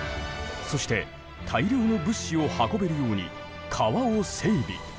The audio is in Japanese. そして大量の物資を運べるように川を整備。